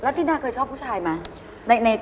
ตินาเคยชอบผู้ชายไหม